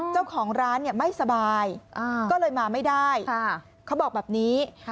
เจ้าของร้านไม่สบายก็เลยมาไม่ได้เขาบอกแบบนี้